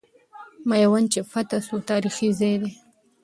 میوند چې فتح سو، تاریخي ځای دی.